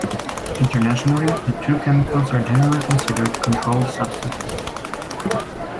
Internationally, the two chemicals are generally considered controlled substances.